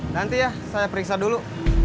nanti ya saya periksa dulu